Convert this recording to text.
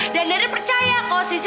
dan deren percaya kok sisi untukmu